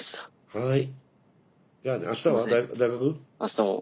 はい。